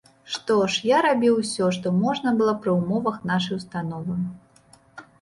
Што ж, я рабіў усё, што можна было пры ўмовах нашай установы.